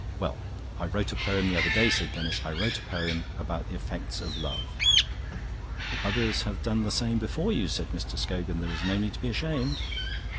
"Well, I wrote a poem the other day," said Denis; "I wrote a poem about the effects of love." "Others have done the same before you," said Mr. Scogan. "There is no need to be ashamed."